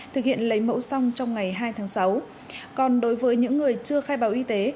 thực hiện lấy mẫu xong trong ngày hai tháng sáu còn đối với những người chưa khai báo y tế